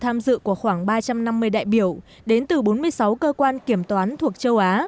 tham dự của khoảng ba trăm năm mươi đại biểu đến từ bốn mươi sáu cơ quan kiểm toán thuộc châu á